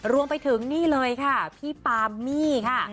รวมไปถึงนี่เลยค่ะพี่ปามมี่ค่ะ